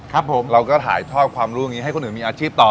ครับผมเราก็ถ่ายทอดความรู้อย่างนี้ให้คนอื่นมีอาชีพต่อ